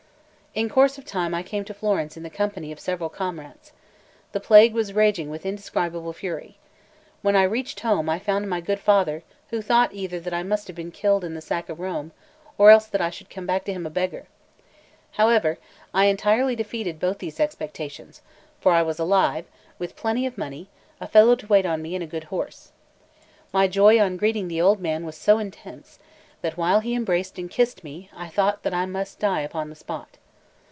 1 In course of time I came to Florence in the company of several comrades. The plague was raging with indescribable fury. When I reached home, I found my good father, who thought either that I must have been killed in the sack of Rome, or else that I should come back to him a beggar. However, I entirely defeated both these expectations; for I was alive, with plenty of money, a fellow to wait on me, and a good horse. My joy on greeting the old man was so intense, that, while he embraced and kissed me, I thought that I must die upon the spot.